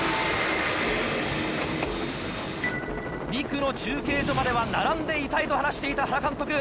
２区の中継所までは並んでいたいと話していた原監督。